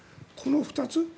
この２つ。